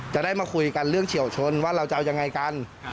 จะได้มาคุยกันเรื่องเฉียวชนว่าเราจะเอายังไงกัน